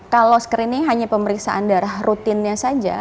kalau screening hanya pemeriksaan darah rutinnya saja